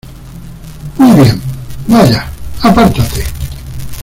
Muy bien. Vaya, apártate .